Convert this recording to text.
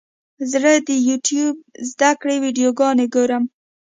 زه د یوټیوب زده کړې ویډیوګانې ګورم.